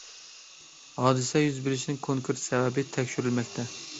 ھادىسە يۈز بېرىشنىڭ كونكرېت سەۋەبى تەكشۈرۈلمەكتە.